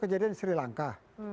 kejadian di sri lanka